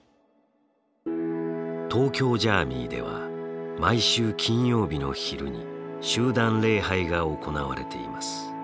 東京ジャーミイでは毎週金曜日の昼に集団礼拝が行われています。